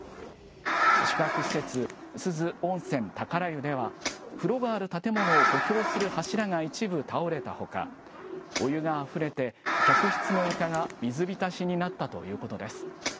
宿泊施設、珠洲温泉宝湯では、風呂がある建物を補強する柱が一部倒れたほか、お湯があふれて客室の床が水浸しになったということです。